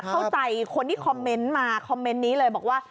เข้าใจคนที่คอมเมนต์มาคอมเมนต์นี้เลยบอกว่า